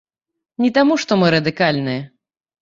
Не таму што мы радыкальныя.